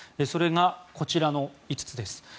それがこちらの５つです。